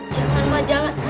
jangan ma jangan